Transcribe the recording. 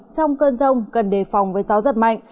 trong cơn rông cần đề phòng với gió giật mạnh